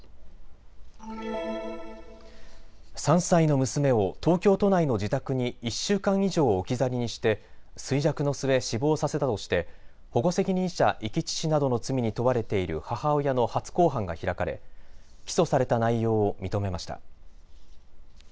３歳の娘を東京都内の自宅に１週間以上置き去りにして衰弱の末、死亡させたとして保護責任者遺棄致死などの罪に問われている母親の初公判が開かれ起訴された内容を認めました。